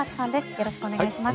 よろしくお願いします。